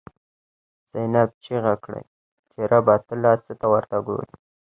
زینب ” چیغی کړی چی ربه، ته لا څه ته ورته ګوری”